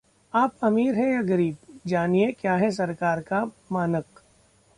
आप अमीर हैं या गरीब? जानिए क्या है सरकार का मानक...